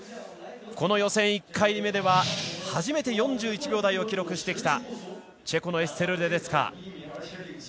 この予選１回目では初めて４１秒台を記録してきたチェコのエステル・レデツカ。